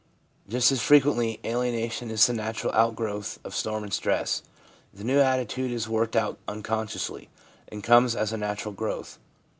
Just as frequently alienation is the natural out growth of storm and stress ; the new attitude is worked out unconsciously, and comes as a natural growth.